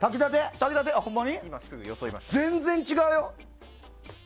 全然違うよ。